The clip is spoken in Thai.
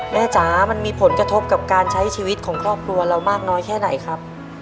จ๋ามันมีผลกระทบกับการใช้ชีวิตของครอบครัวเรามากน้อยแค่ไหนครับ